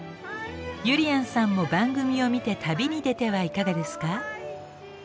ゆりやんさんも番組を見て旅に出てはいかがですか？